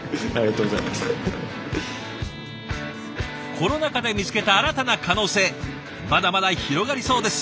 コロナ禍で見つけた新たな可能性まだまだ広がりそうです。